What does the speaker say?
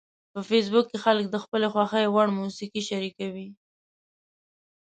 په فېسبوک کې خلک د خپلو خوښې وړ موسیقي شریکوي